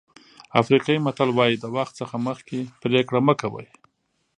افریقایي متل وایي د وخت څخه مخکې پرېکړه مه کوئ.